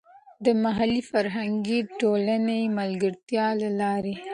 د محلي فرهنګي ټولنې د ملګرتیا له لارې.